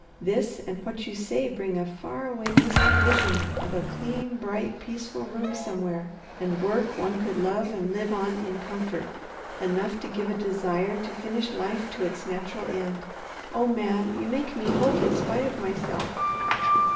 This and what you say bring a far away, misty vision of a clean, bright, peaceful room somewhere, and work one could love and live on in comfort; enough to give a desire to finish life to its natural end. Oh Man, you make me hope in spite of myself!"